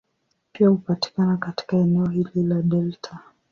Pia hupatikana katika eneo hili la delta.